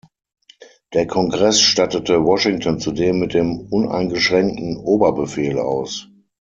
Der Kongress stattete Washington zudem mit dem uneingeschränkten Oberbefehl aus.